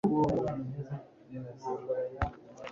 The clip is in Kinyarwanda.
imirimo mibi y'ikubitiro ibujijwe gukoresha abana